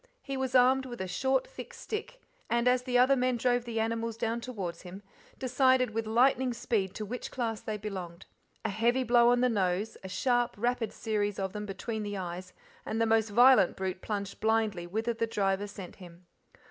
He was armed with a short thick stick, and, as the other men drove the animals down towards him, decided with lightning speed to which class they belonged. A heavy blow on the nose, a sharp, rapid series of them between the eyes, and the most violent brute plunged blindly whither the driver sent him.